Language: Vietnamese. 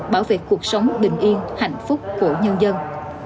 bảo vệ cuộc sống bình yên hạnh phúc của nhân dân